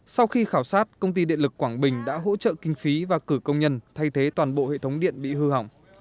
sau khi khảo sát công ty điện lực quảng bình đã hỗ trợ kinh phí và cử công nhân thay thế toàn bộ hệ thống điện bị hư hỏng